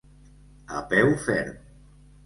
A peu ferm.